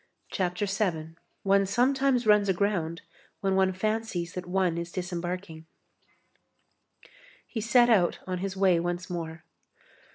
CHAPTER VII—ONE SOMETIMES RUNS AGROUND WHEN ONE FANCIES THAT ONE IS DISEMBARKING He set out on his way once more.